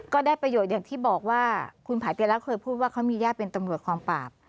ก็ได้ประโยชน์อย่างที่บอกว่าคุณผายเตียรักษ์เคยพูดว่าเขามีญาติเป็นตำรวจกองปราบ